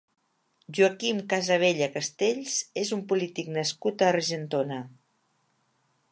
Joaquim Casabella Castells és un polític nascut a Argentona.